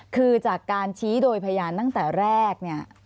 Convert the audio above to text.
คือจากการชี้โดยพยานนั้นแต่แรก